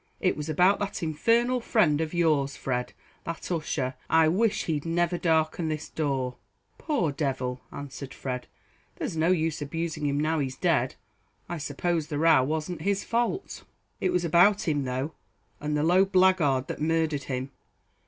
It was about that infernal friend of yours, Fred, that Ussher; I wish he'd never darkened this door." "Poor devil!" answered Fred; "there's no use abusing him now he's dead. I suppose the row wasn't his fault." "It was about him though, and the low blackguard that murdered him.